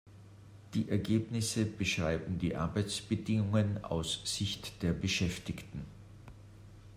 Die Ergebnisse beschreiben die Arbeitsbedingungen aus Sicht der Beschäftigten.